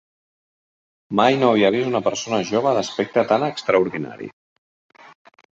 Mai no havia vist una persona jove d'aspecte tan extraordinari.